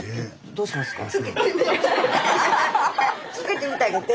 つけてみてあげて。